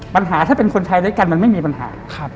ปัญหาถ้าเป็นคนไทยด้วยกันมันไม่มีปัญหา